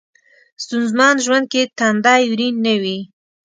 ستونځمن ژوند کې تندی ورین نه وي.